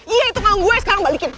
iya itu panggung gue sekarang balikin